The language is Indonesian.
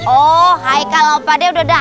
oh hai kalopade udah dateng